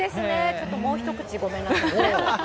ちょっともう一口、ごめんなさいね。